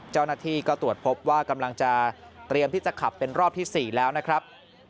เจ้าหน้าที่ก็ตรวจพบว่ากำลังจะเตรียมที่จะขับเป็นรอบที่๔แล้วนะครับ